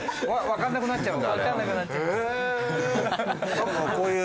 分かんなくなっちゃう。